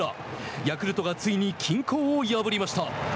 ヤクルトがついに均衡を破りました。